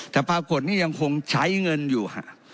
แต่ปรากฏนี่ยังคงใช้เงินอยู่